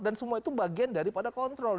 dan semua itu bagian daripada kontrol